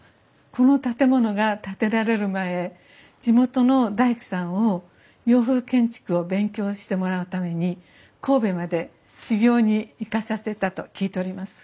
この建物が建てられる前地元の大工さんを洋風建築を勉強してもらうために神戸まで修業に行かさせたと聞いております。